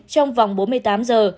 trong vòng bốn mươi tám giờ